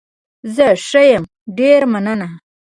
زه ښه يم، ډېره مننه.